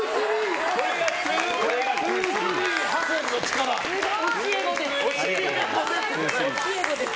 これが「２３」です。